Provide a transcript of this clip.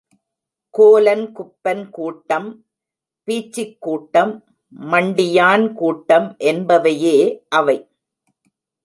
கோலன்குப்பன் கூட்டம், பீச்சிக் கூட்டம், மண்டியான் கூட்டம் என்பவையே அவை.